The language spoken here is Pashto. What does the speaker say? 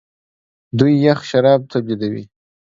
دوی یخ شراب تولیدوي.